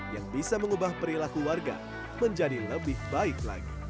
yang bisa mengubah perilaku warga menjadi lebih baik lagi